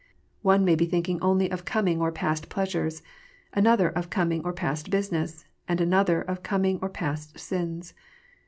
One may be thinking only of coming or past pleasures, another of coming or past business, and another of coming or past sins.